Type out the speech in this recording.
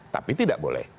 tapi tidak boleh